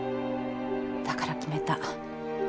だから決めた。